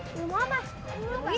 dia dimana ya